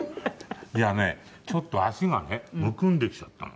いやねちょっと足がねむくんできちゃったの。